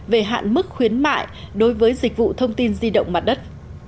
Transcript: về hạn mức khuyến mại đối với dịch vụ thông tin di động mặt đất